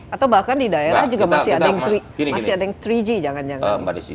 atau bahkan di daerah juga masih ada yang tiga g jangan jangan